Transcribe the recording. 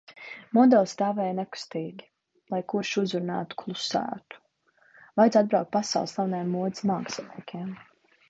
Modeles stāvēja nekustīgi. Lai kurš uzrunātu – klusētu. Vajadzēja atbraukt pasaules slaveniem modes māksliniekiem.